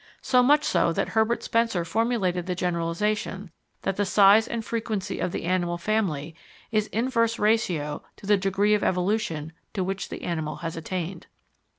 So much so that Herbert Spencer formulated the generalisation that the size and frequency of the animal family is inverse ratio to the degree of evolution to which the animal has attained.